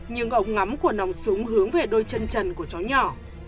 nhưng ổng ngắm của nòng súng hướng về đôi chân trần của chó nhỏ